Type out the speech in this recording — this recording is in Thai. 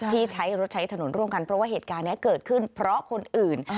ที่ใช้รถใช้ถนนร่วมกันเพราะว่าเหตุการณ์นี้เกิดขึ้นเพราะคนอื่น